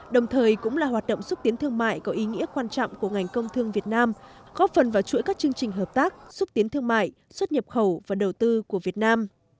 đồng thời cũng là hoạt động xúc tiến thương mại có ý nghĩa quan trọng của ngành công thương việt nam góp phần vào chuỗi các chương trình hợp tác xúc tiến thương mại xuất nhập khẩu và đầu tư của việt nam